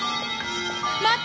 待って！